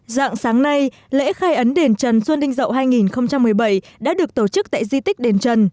dạng sáng nay lễ khai ấn đền trần xuân đinh dậu hai nghìn một mươi bảy đã được tổ chức tại di tích đền trần